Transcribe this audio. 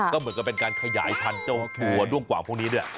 ก็เหมือนกับเป็นการขยายพันธุ์เจ้าถั่วด้วงกว่างพวกนี้ด้วย